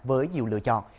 với nhiều lựa chọn